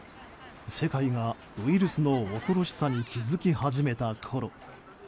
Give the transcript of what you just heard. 世界がウイルスの恐ろしさに気づき始めたころ